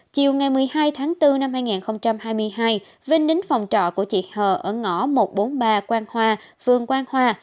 chiều ngày một mươi hai tháng bốn năm hai nghìn hai mươi hai vinh đến phòng trọ của chị hờ ở ngõ một trăm bốn mươi ba quang hoa phường quang hoa